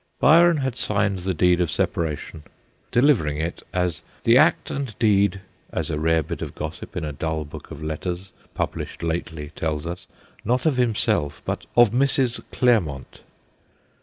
Byron had signed the deed of separation, delivering it as * the act and deed/ as a rare bit of gossip in a dull book of letters pub lished lately tells us, not of himself but ' of Mrs. Clermont.'